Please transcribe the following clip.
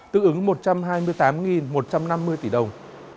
tương ứng một trăm hai mươi tám một trăm năm mươi tỷ đồng